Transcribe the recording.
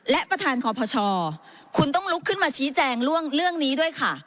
และประธานคอพชคุณต้องลุกขึ้นมาชี้แจงเรื่องนี้ด้วยค่ะ